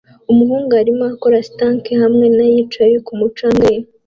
Umuhungu arimo akora stunt hamwe na yicaye kumu canga ye